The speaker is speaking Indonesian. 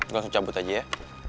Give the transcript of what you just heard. langsung cabut aja ya